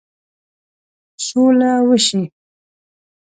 سوله وشي.